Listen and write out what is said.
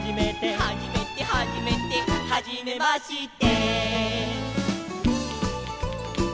「はじめてはじめて」「はじめまして」